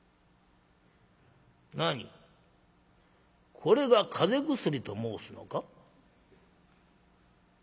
これが風邪薬と申すのか？」。